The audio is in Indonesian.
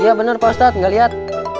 iya bener pak ustadz gak liat